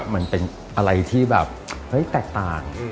มันเป็นอะไรที่แบบแตกต่าง